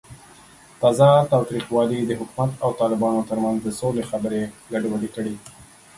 تازه تاوتریخوالی د حکومت او طالبانو ترمنځ د سولې خبرې ګډوډې کړې.